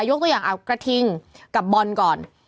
ยกตัวอย่างเอากระทิงกับบอลก่อน